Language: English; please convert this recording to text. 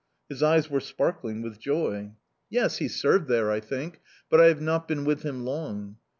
His eyes were sparkling with joy. "Yes, he served there, I think but I have not been with him long."